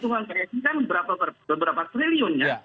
itu uang kredit kan beberapa triliunnya